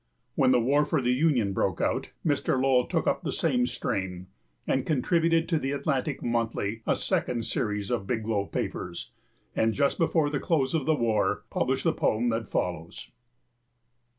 When the war for the Union broke out, Mr. Lowell took up the same strain and contributed to the Atlantic Monthly a second series of Biglow Papers, and just before the close of the war, published the poem that follows.